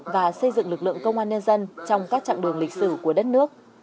và xây dựng lực lượng công an nhân dân trong các chặng đường lịch sử của đất nước